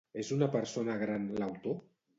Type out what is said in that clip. És una persona gran l'autor?